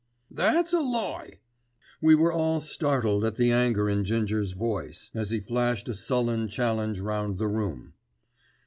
"That's a lie!" We were all startled at the anger in Ginger's voice, as he flashed a sullen challenge round the room.